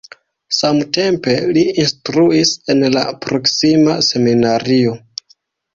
Samtempe li instruis en la proksima seminario.